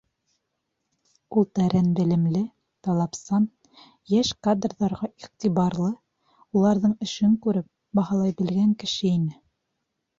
Ул тәрән белемле, талапсан, йәш кадрҙарға иғтибарлы, уларҙың эшен күреп, баһалай белгән кеше ине.